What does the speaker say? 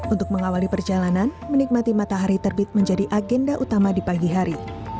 untuk mengawali perjalanan menikmati matahari terbit menjadi agenda utama di pagi hari